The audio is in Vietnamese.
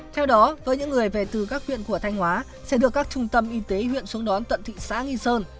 theo đó với những người về từ các huyện của thanh hóa sẽ được các trung tâm y tế huyện xuống đón tận thị xã nghi sơn